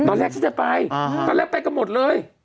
ตอนแรกฉันจะไปตอนแรกไปกันหมดเลย